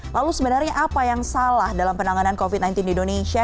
lalu sebenarnya apa yang salah dalam penanganan covid sembilan belas di indonesia